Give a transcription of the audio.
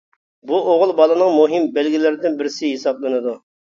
بۇ ئوغۇل بالىنىڭ مۇھىم بەلگىلىرىدىن بىرسى ھېسابلىنىدۇ.